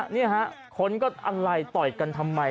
นี่ฮะคนก็อะไรต่อยกันทำไม